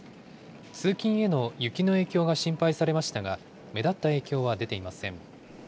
通勤への雪の影響が心配されましたが、目立った影響は出ていません。